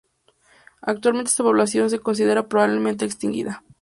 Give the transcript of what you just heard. Actualmente esta población se considera probablemente extinguida.